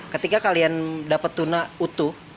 ketika kalian dapat tuna utuh